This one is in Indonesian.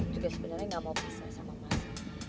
juga sebenernya gak mau pisah sama mas